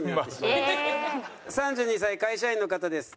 ３２歳会社員の方です。